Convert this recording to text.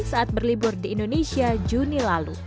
saat berlibur di indonesia juni lalu